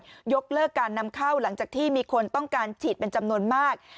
ก็ยกเลิกการนำเข้าหลังจากที่มีคนต้องการฉีดเป็นจำนวนมาก